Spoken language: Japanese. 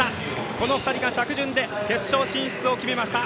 この２人が着順で決勝進出を決めました。